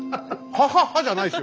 ハハハじゃないですよ